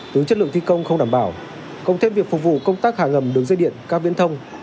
tướng chất lượng thi công không đảm bảo công thêm việc phục vụ công tác hạ ngầm đường dây điện các viễn thông